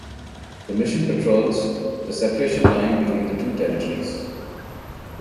The mission patrols the separation line between the two territories.